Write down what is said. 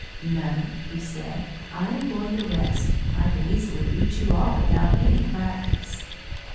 "No," he said, "I am going to rest. I can easily beat you all without any practice."